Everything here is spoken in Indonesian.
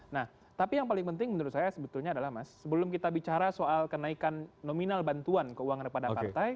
nah tapi yang paling penting menurut saya sebetulnya adalah mas sebelum kita bicara soal kenaikan nominal bantuan keuangan kepada partai